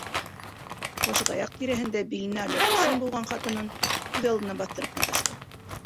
Ҡашығаяҡ тирәһендә биленә алъяпҡысын быуған ҡатынын күҙ алдына баҫтырып маташты.